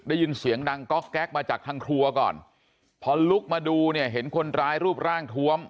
ได้ยินเสียงดังก๊อกแก๊กมาจากทางครัวก่อนพอลุกมาดูเนี่ยเห็นคนร้ายรูปร่างทวม